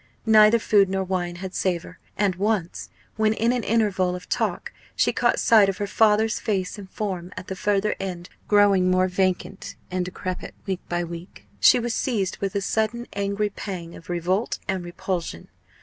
Neither food nor wine had savour; and once, when in an interval of talk she caught sight of her father's face and form at the further end, growing more vacant and decrepit week by week, she was seized with a sudden angry pang of revolt and repulsion.